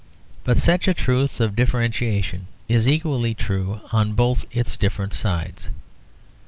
But such a truth of differentiation is equally true on both its different sides.